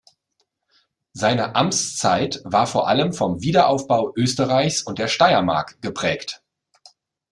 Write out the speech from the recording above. Seine Amtszeit war vor allem vom Wiederaufbau Österreichs und der Steiermark geprägt.